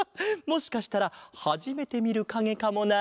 もしかしたらはじめてみるかげかもな。